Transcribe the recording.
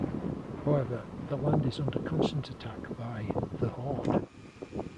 However, the land is under constant attack by The Horde.